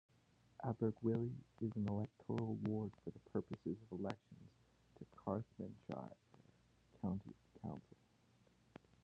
Abergwili is an electoral ward for the purposes of elections to Carmarthenshire County Council.